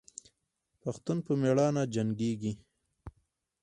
پښتون په میړانه جنګیږي.